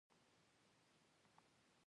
بایسکل چلول د تمرکز وړتیا لوړوي.